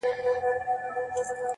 څوک یې نسته د بې شناختو په محل کي